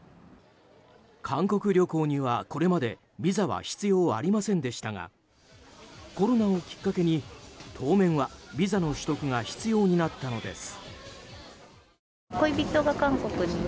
韓国旅行には、これまでビザは必要ありませんでしたがコロナをきっかけに当面は、ビザの取得が必要になったのです。